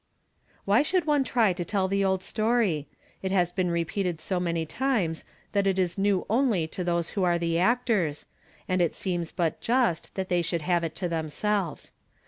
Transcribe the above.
Why should one try to tell the old story ? It has been repeated so many times that it is new only to those who are the actors, and it seems but just that they should have it to themselves.